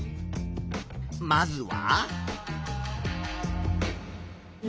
まずは？